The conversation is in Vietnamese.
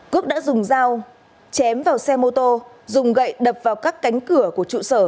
quốc đã dùng dao chém vào xe mô tô dùng gậy đập vào các cánh cửa của trụ sở